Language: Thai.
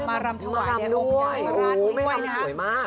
มารำถวายในโรคใหญ่มาร้านนี้ด้วยนะครับ